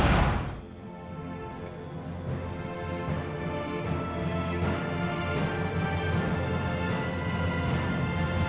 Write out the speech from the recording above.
ia akan laku doa ia pada setahun ini